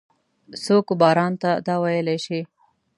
څوک وباران ته دا ویلای شي؟